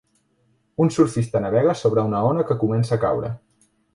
Un surfista navega sobre una ona que comença a caure